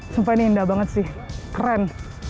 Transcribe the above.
supaya ini indah banget sih keren